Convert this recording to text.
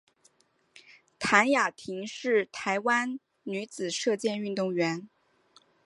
谭雅婷是台湾女子射箭运动员。